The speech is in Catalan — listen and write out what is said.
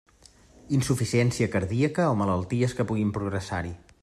Insuficiència cardíaca o malalties que puguin progressar-hi.